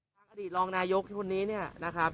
ตามอดีตรองนายกไว้ทุกคนนี้นะครับ